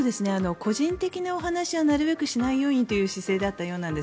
個人的なお話はなるべくしないようにという姿勢だったようです。